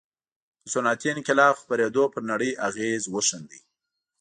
د صنعتي انقلاب خپرېدو پر نړۍ اغېز وښند.